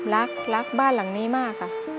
รักรักบ้านหลังนี้มากค่ะ